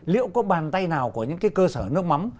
liệu có bàn tay nào của những cái cơ sở nước mắm